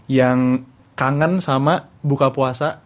yang kangen sama buka puasa